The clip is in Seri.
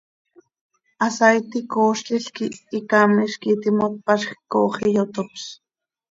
Hasaaiti coozlil quih hicaamiz quih iti himo tpazjc, coox iyotopl.